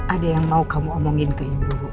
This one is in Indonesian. ada yang mau kamu omongin ke ibu